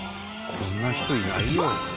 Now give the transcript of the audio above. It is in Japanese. こんな人いないよ。